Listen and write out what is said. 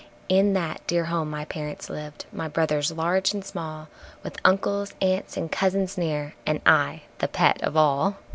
In that dear home my parents lived, my brothers large and small, With uncles, aunts and cousins near, and I the pet of all.